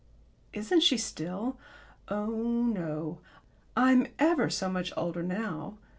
"Isn't she still?" "Oh, no! I'm ever so much older now....